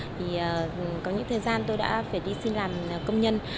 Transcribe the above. thì có những thời gian tôi đã phải đi xin làm công nhân